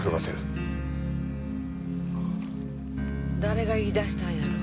誰が言い出したんやろ。